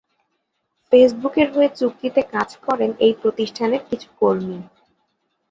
ফেসবুকের হয়ে চুক্তিতে কাজ করেন এই প্রতিষ্ঠানের কিছু কর্মী।